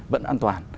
vẫn an toàn